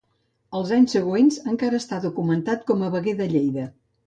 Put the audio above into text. Els anys següents encara està documentat com a veguer de Lleida.